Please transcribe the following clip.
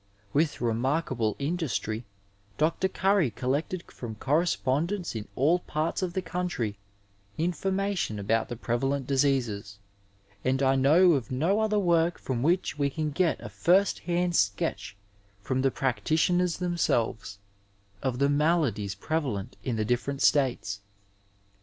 With remarkable industry Dr. Currie cdlected from correspondents in all parts of the country informa tion about the prevalent diseases, and I know of no other work from which we can get a first hand sketch from the practitioners themselves of the maladies prevalent in the different States.